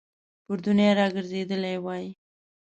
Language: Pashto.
پر دنیا را ګرځېدلی وای.